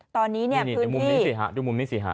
ตอนนี้เนี่ยในมุมนี้สิฮะดูมุมนี้สิฮะ